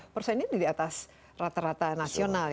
persennya di atas rata rata nasional